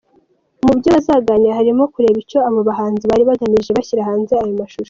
Mu byo bazaganira harimo kureba icyo abo bahanzi bari bagamije bashyira hanze ayo mashusho.